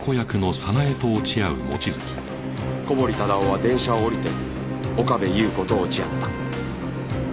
小堀忠夫は電車を降りて岡部祐子と落ち合った